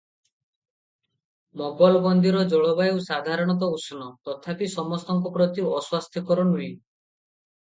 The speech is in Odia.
ମୋଗଲବନ୍ଦୀର ଜଳବାୟୁ ସାଧାରଣତଃ ଉଷ୍ଣ; ତଥାପି ସମସ୍ତଙ୍କ ପ୍ରତି ଅସ୍ୱାସ୍ଥ୍ୟକର ନୁହେ ।